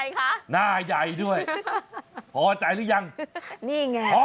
อะไรคะหน้าใหญ่ด้วยพอใจหรือยังพอแล้ว